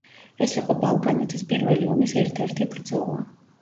ეს იყო ბალკანეთის პირველი ომის ერთ-ერთი ბრძოლა.